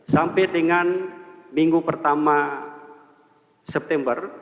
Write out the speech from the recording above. sampai dengan minggu pertama september